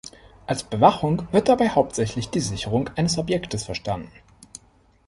Als Bewachung wird dabei hauptsächlich die Sicherung eines Objektes verstanden.